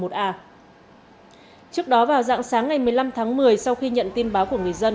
trước đó vào dạng sáng ngày một mươi năm tháng một mươi sau khi nhận tin báo của người dân